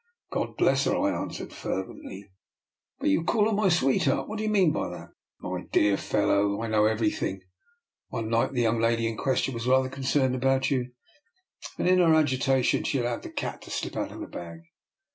I " God bless her! " I answered ferveif^atly. DR. NIKOLA'S EXPERIMENT. 259 " But you call her my sweetheart. What do you mean by that? "" My dear fellow, I know everything. One night the yonng lady in question was rather concerned about you, and in her agita tion she allowed the cat to slip out of the bag.